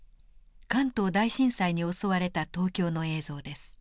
関東大震災に襲われた東京の映像です。